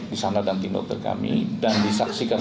di sana dan tim dokter kami dan disaksikan